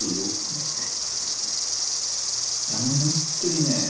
だっていやもうホントにね